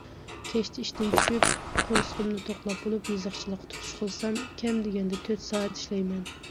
كەچتە ئىشتىن چۈشۈپ، قورسىقىمنى توقلاپ بولۇپ يېزىقچىلىققا تۇتۇش قىلسام، كەم دېگەندە تۆت سائەت ئىشلەيمەن.